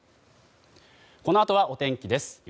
このあとは、お天気です。